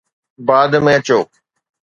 بعد ۾ اچو